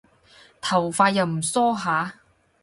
頭髮又唔梳下